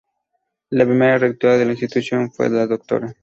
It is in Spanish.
La primera rectora de la institución fue la Dra.